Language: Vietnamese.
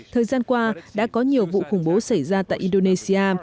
thời gian qua đã có nhiều vụ khủng bố xảy ra tại indonesia